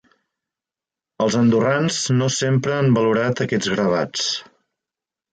Els andorrans no sempre han valorat aquests gravats.